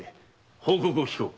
報告をきこう。